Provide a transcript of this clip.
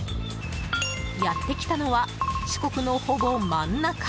やってきたのは四国のほぼ真ん中。